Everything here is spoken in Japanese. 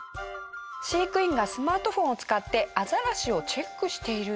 飼育員がスマートフォンを使ってアザラシをチェックしていると。